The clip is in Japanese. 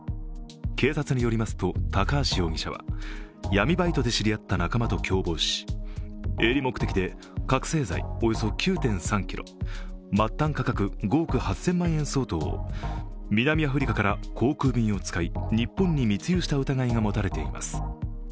警察によりますと、高橋容疑者は闇バイトで知り合った仲間と共謀し営利目的で覚醒剤およそ９．３ｋｇ、末端価格５億８０００万円相当を南アフリカから航空便を使い日本に密輸した疑いが持たれています。